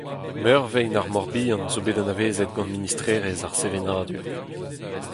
Meurvein ar Mor-Bihan zo bet anavezet gant Ministrerezh ar sevenadur.